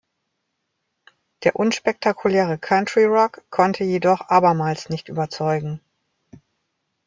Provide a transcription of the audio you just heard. Der unspektakuläre Countryrock konnte jedoch abermals nicht überzeugen.